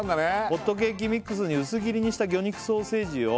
「ホットケーキミックスに薄切りにした魚肉ソーセージを」